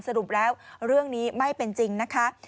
สรุปแล้วเรื่องนี้ไม่เป็นจริงนะคะ